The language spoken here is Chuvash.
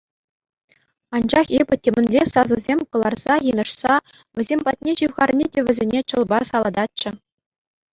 Анчах эпӗ темӗнле сасӑсем кӑларса йынӑшса вӗсем патне ҫывхарни те вӗсене чӑл-пар салататчӗ.